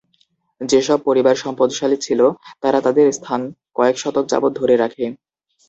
যেসব পরিবার সম্পদশালী ছিল তারা তাদের স্থান কয়েক শতক যাবৎ ধরে রাখে।